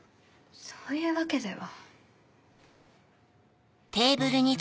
そういうわけでは。